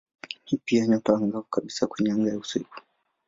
Ni pia nyota angavu kabisa kwenye anga ya usiku.